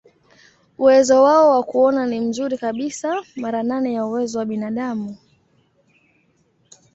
Uwezo wao wa kuona ni mzuri kabisa, mara nane ya uwezo wa binadamu.